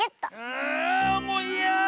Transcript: あもういやだ！